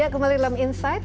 kembali dalam insight